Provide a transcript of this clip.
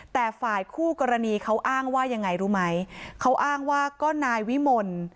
แต่ฝ่ายคู่กรณีเขาอ้างว่ายังไงรู้ไหมเขาอ้างว่าก็นายวิมล